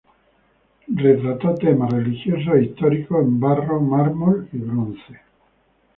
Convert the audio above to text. Retrató temas religiosos e históricos en barro, mármol y bronce.